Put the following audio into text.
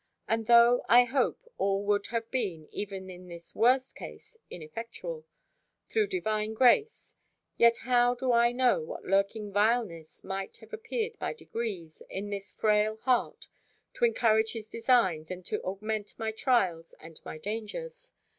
And though, I hope, all would have been, even in this worst case, ineffectual, through Divine Grace, yet how do I know what lurking vileness might have appeared by degrees in this frail heart, to encourage his designs, and to augment my trials and my dangers?